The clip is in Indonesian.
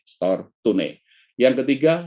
store tunai yang ketiga